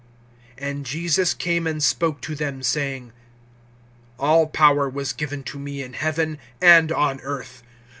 (18)And Jesus came and spoke to them, saying: All power was given to me in heaven and on earth.